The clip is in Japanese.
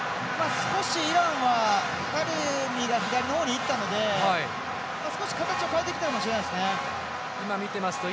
少しイランはタレミが左の方にいったので少し形を変えてきたのかもしれないですね。